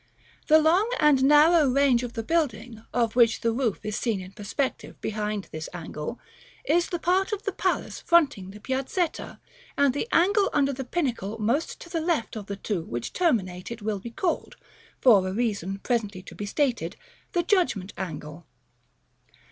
The long and narrow range of building, of which the roof is seen in perspective behind this angle, is the part of the palace fronting the Piazzetta; and the angle under the pinnacle most to the left of the two which terminate it will be called, for a reason presently to be stated, the Judgment angle.